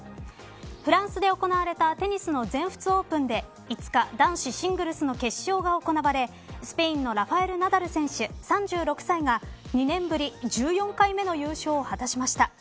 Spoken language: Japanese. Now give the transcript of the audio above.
フランスで行われたテニスの全仏オープンで５日、男子シングルスの決勝が行われスペインのラファエル・ナダル選手３６歳が２年ぶり１４回目の優勝を果たしました。